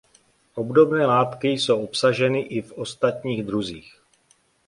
Obdobné látky jsou obsaženy i v ostatních druzích.